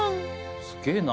すげえな。